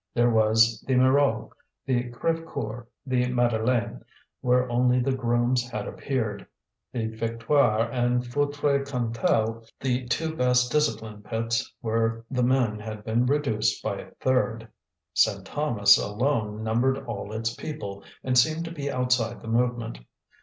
There was the Mirou, the Crévecoeur, the Madeleine, where only the grooms had appeared; the Victoire and Feutry Cantel, the two best disciplined pits, where the men had been reduced by a third; Saint Thomas alone numbered all its people, and seemed to be outside the movement.